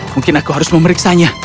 mungkin aku harus memeriksanya